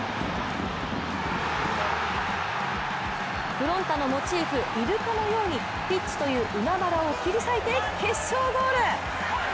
ふろん太のモチーフ、イルカのようにピッチという海原を切り裂いて決勝ゴール。